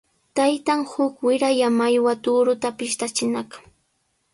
Taytan uk wiralla mallwa tuuruta pishtachinaq.